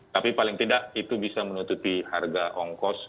tapi paling tidak itu bisa menutupi harga ongkos